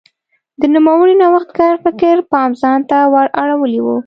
د نوموړي نوښتګر فکر پام ځان ته ور اړولی و.